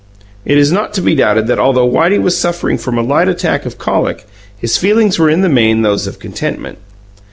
It is not to be doubted that although Whitey was suffering from a light attack of colic his feelings were in the main those of contentment.